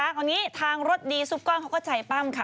เอางี้ทางรถดีซุปก้อนเขาก็ใจปั้มค่ะ